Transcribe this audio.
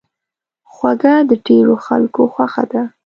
خوږه د ډېرو خلکو خوښه ده.